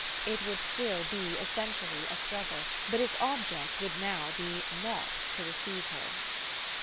It would still be essentially a struggle, but its object would now be NOT to receive her.